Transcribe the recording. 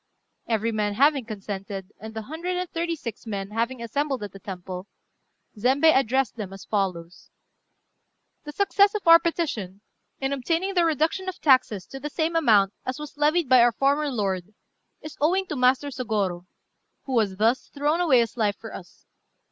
Every man having consented, and the hundred and thirty six men having assembled at the temple, Zembei addressed them as follows: "The success of our petition, in obtaining the reduction of our taxes to the same amount as was levied by our former lord, is owing to Master Sôgorô, who has thus thrown away his life for us.